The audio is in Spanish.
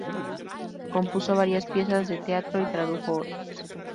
Compuso varias piezas de teatro y tradujo otras.